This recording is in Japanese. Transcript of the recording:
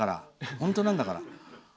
本当なんだから。